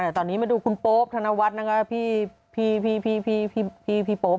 แต่ตอนนี้มาดูคุณโป๊ปธนวัตน์นะคะพี่โป๊ปของเรานี่นะฮะ